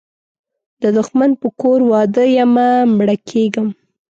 د دښمن په کور واده یمه مړه کیږم